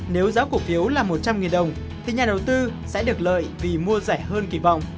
nếu giá cổ phiếu là một trăm linh đồng thì nhà đầu tư sẽ được lợi vì mua rẻ hơn kỳ vọng